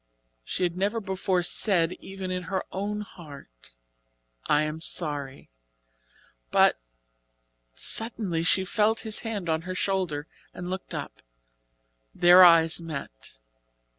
She had never before said, even in her own heart: "I am sorry," but suddenly, she felt his hand on her shoulder, and looked up. Their eyes met.